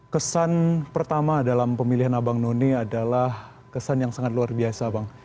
kesan pertama dalam pemilihan abang none adalah kesan yang sangat luar biasa bang